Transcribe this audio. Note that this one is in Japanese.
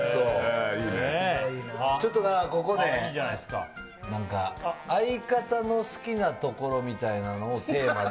ちょっとここで、なんか、相方の好きなところ、みたいなのをテーマで。